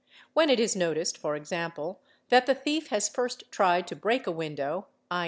When it is noticed, for example, that the thief has first tried to break a window, 4.